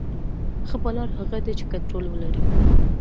ښه بالر هغه دئ، چي کنټرول ولري.